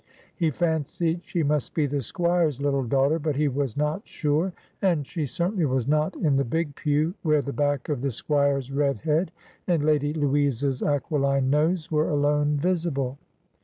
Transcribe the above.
He fancied she must be the Squire's little daughter, but he was not sure, and she certainly was not in the big pew, where the back of the Squire's red head and Lady Louisa's aquiline nose were alone visible.